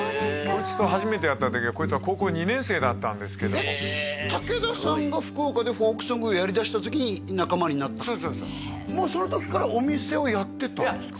こいつと初めて会った時はこいつは高校２年生だったんですけどもえっ武田さんが福岡でフォークソングをやりだした時に仲間になったそうそうそうもうその時からお店をやってたんですか？